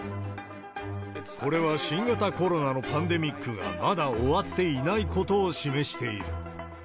これは新型コロナのパンデミックがまだ終わっていないことを示している。